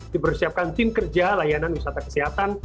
dipersiapkan tim kerja layanan wisata kesehatan